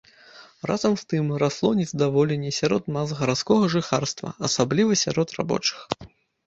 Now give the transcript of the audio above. Разам з тым расло нездаволенне сярод мас гарадскога жыхарства, асабліва сярод рабочых.